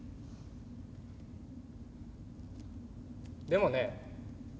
でもね